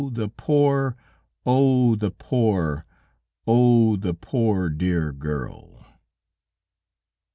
the poor, oh! the poor, oh! the poor, dear girl!